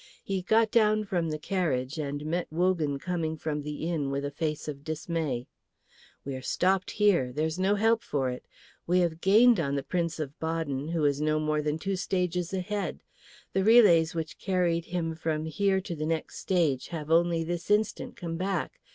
He got down from the carriage and met Wogan coming from the inn with a face of dismay. "We are stopped here. There is no help for it. We have gained on the Prince of Baden, who is no more than two stages ahead. The relays which carried him from here to the next stage have only this instant come back.